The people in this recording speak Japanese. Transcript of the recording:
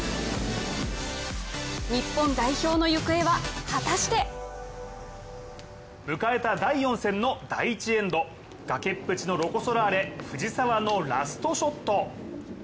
日本代表の行方は果たして迎えた第４戦の第１エンド、崖っぷちのロコ・ソラーレ、藤澤のラストショット。